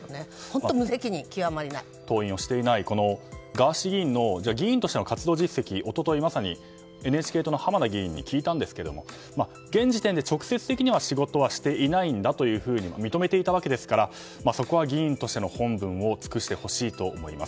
当院をしていないガーシー議員の議員としての活動、実績一昨日まさにＮＨＫ党の議員に聞いたんですけど直接的に仕事をしてないことを認めたわけですがそこは議員としての本分を尽くしてほしいと思います。